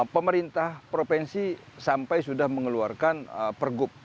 pemerintah provinsi sampai sudah mengeluarkan pergub